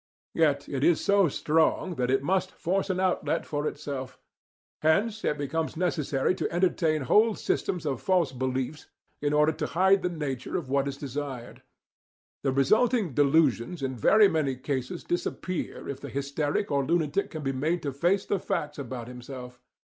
Yet it is so strong that it must force an outlet for itself; hence it becomes necessary to entertain whole systems of false beliefs in order to hide the nature of what is desired. The resulting delusions in very many cases disappear if the hysteric or lunatic can be made to face the facts about himself.